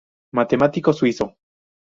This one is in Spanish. Matemático suizo.